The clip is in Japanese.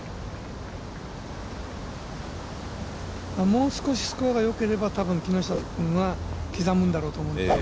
もう少しスコアがよければ木下君は刻むんだろうと思います。